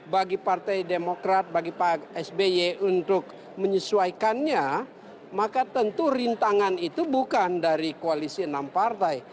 bagi partai demokrat bagi pak sby untuk menyesuaikannya maka tentu rintangan itu bukan dari koalisi enam partai